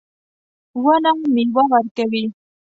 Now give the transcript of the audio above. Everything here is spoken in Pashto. ونه میوه ورکوي